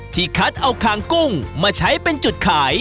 คัดเอาคางกุ้งมาใช้เป็นจุดขาย